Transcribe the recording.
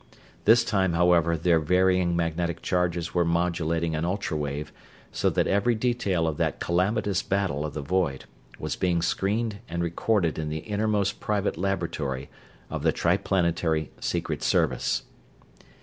This time, however, their varying magnetic charges were modulating an ultra wave so that every detail of that calamitous battle of the void was being screened and recorded in the innermost private laboratory of the Triplanetary Secret Service.